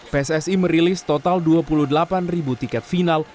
pssi merilis total dua puluh delapan ribu tiket final